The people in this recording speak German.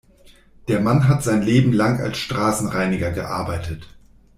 Der Mann hat sein Leben lang als Straßenreiniger gearbeitet.